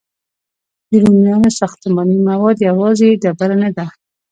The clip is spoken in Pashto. د رومیانو ساختماني مواد یوازې ډبره نه وه.